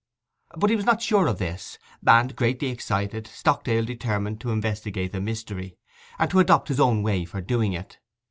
But he was not sure of this; and, greatly excited, Stockdale determined to investigate the mystery, and to adopt his own way for doing it.